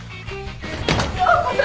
ようこそ。